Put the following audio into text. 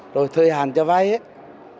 rồi thời hạn cho vay ấy